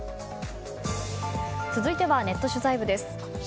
続いてはネット取材部です。